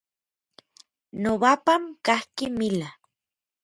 Nobapan kajki mila.